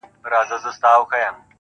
حالاتو داسې جوارې راسره وکړله چي_